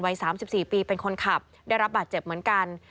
๓๔ปีเป็นคนขับได้รับบาดเจ็บเหมือนกัน